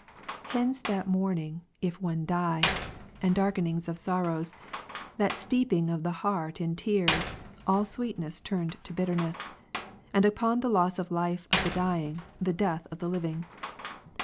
Hence that mourning, if one die, and darkenings of sorrows, that steeping of the heart in tears, all sweetness turned to bitterness ; and upon the loss of life of the dying, the death of the living.